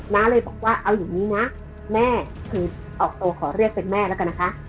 น้าเลยบอกว่าเอาอย่างนี้นะแม่คือออกตัวขอเรียกเป็นแม่แล้วกันนะคะ